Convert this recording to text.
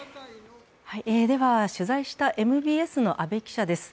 取材したＭＢＳの阿部記者です。